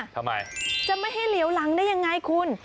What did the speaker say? ทำไมจะไม่ให้เหลียวหลังได้ยังไงคุณ